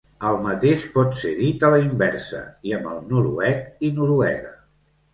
El mateix pot ser dit a la inversa, i amb el noruec i Noruega.